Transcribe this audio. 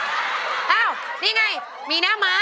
นี่ไงมีหน้าม้า